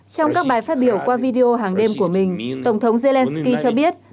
trong các bài phát biểu qua video hàng đêm của mình tổng thống zelensky cho biết